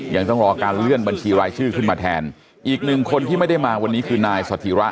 ยังต้องรอการเลื่อนบัญชีรายชื่อขึ้นมาแทนอีกหนึ่งคนที่ไม่ได้มาวันนี้คือนายสถิระ